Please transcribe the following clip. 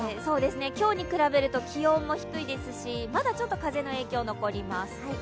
今日に比べると気温も低いですしまだちょっと風の影響残ります。